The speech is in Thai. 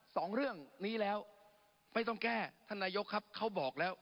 สองเรื่องนี้แล้วไม่ต้องแก้ท่านนายกครับเขาบอกแล้ว